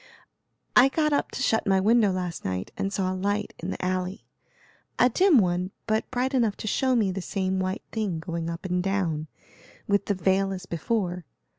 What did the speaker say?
"I got up to shut my window last night, and saw a light in the alley. A dim one, but bright enough to show me the same white thing going up and down, with the veil as before.